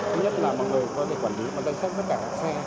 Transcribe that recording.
thứ nhất là mọi người có thể quản lý bằng cách thay mất cả các xe